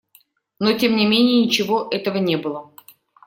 Но тем не менее ничего этого не было.